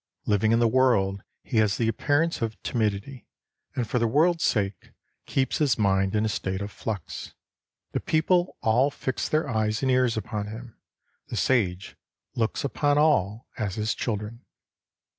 Living in the world, he has the appear ance of timidity, and for the world's sake keeps his mind in a state of flux. The people all fix their eyes and ears upon him. The Sage looks upon all as his children.